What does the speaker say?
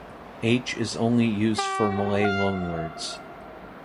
"H" is only used for Malay loanwords.